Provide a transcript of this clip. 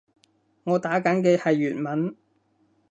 我打緊嘅係粵文